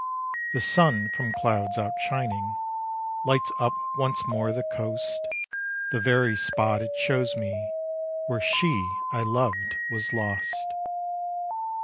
The sun from clouds outshining, Lights up once more the coast. The very spot it shows me Where she I loved was lost.